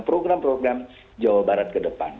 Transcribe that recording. program program jawa barat kedepan